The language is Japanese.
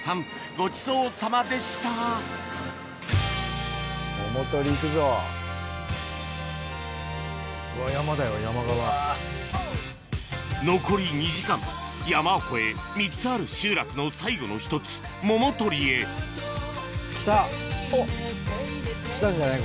ごちそうさまでした残り２時間山を越え３つある集落の最後の１つ桃取へ来たんじゃない？